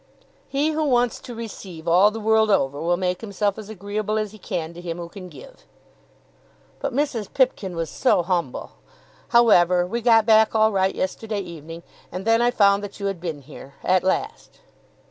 "He who wants to receive, all the world over, will make himself as agreeable as he can to him who can give." "But Mrs. Pipkin was so humble. However we got back all right yesterday evening, and then I found that you had been here, at last."